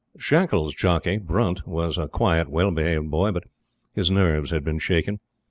Shackles' jockey, Brunt, was a quiet, well behaved boy, but his nerves had been shaken.